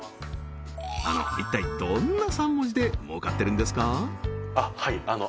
あの一体どんな３文字で儲かってるんですか？